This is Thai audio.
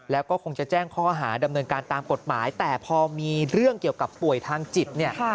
แล้วก็คงจะแจ้งข้อหาดำเนินการตามกฎหมายแต่พอมีเรื่องเกี่ยวกับป่วยทางจิตเนี่ย